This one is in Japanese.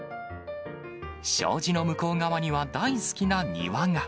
障子の向こう側には大好きな庭が。